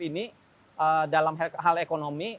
ini dalam hal ekonomi